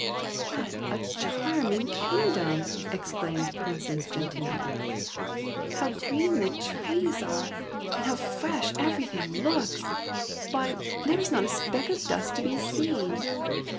''What a charming kingdom!" exclaimed Princess Gentianella. " How green the trees SOMEBODY ELSE'S PRINCE 89 are, and how fresh everything looks ! Why, there is not a speck of dust to be seen."